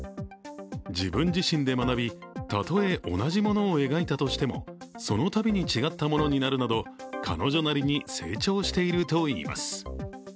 自分自身で学び、たとえ同じ物を描いたとしてもその度に違ったものになるなど彼女なりに成長しているといいます。